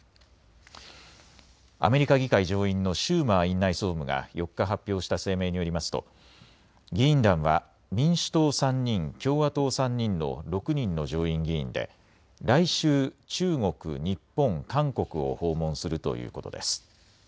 アメリカ議会上院のシューマー院内総務が４日発表した声明によりますと議員団は民主党３人、共和党３人の６人の上院議員で来週、中国、日本、韓国を訪問するということです。